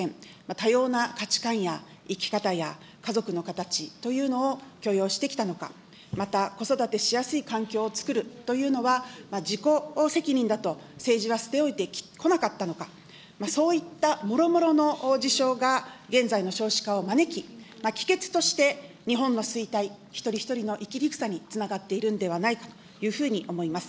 多様な価値観や生き方や家族の形というのを許容してきたのが、また子育てしやすい環境を作るというのは、自己責任だと政治は捨て置いてこなかったのか、そういったもろもろの事象が、現在の少子化を招き、帰結として、日本の衰退、一人一人の生きにくさにつながっているのではないかというふうに思います。